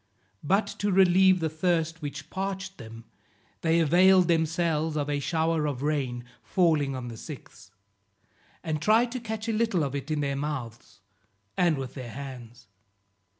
But to relieve the thirst which parched them, they availed themselves of a shower of rain, falling on the sixth, and tried to catch a little of it in their mouths and with their hands.